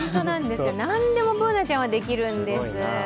何でもＢｏｏｎａちゃんはできるんです。